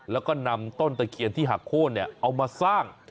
แล้วก็นำต้นตะเคียนที่หักโค้นเอามาสร้าง